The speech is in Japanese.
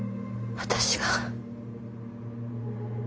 私が！